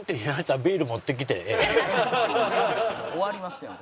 終わりますやん